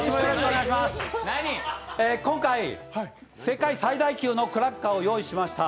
今回、世界最大級のクラッカーを用意しました。